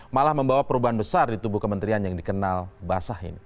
malah membawa perubahan besar di tubuh kementerian yang dikenal basah ini